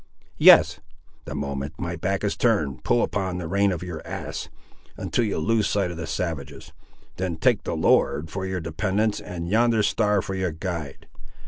"Yes." "The moment my back is turned, pull upon the rein of your ass, until you lose sight of the savages. Then take the Lord for your dependence, and yonder star for your guide.